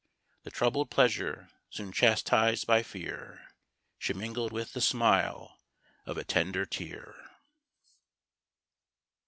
The troubled pleasure soon chastis'd by fear, She mingled with the smile a tender tear.